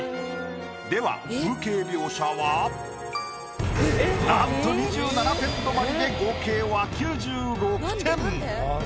では風景描写はなんと２７点止まりで合計は９６点。